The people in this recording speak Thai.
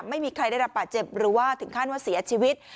ไม่มีใครได้รับบาดเจ็บหรือว่าถึงขั้นว่าเสียชีวิต